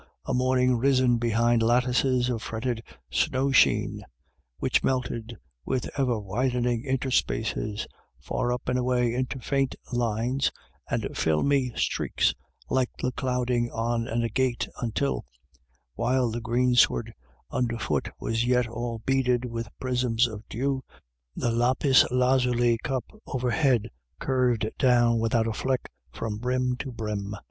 A morning risen behind lattices of fretted snow sheen, which melted, with ever widening interspaces, far up and away into faint lines and filmy streaks like the clouding on an agate, until, while the greensward underfoot was yet all beaded with prisms of dew, the lapis lazuli cup overhead curved down without a fleck from brim to brim.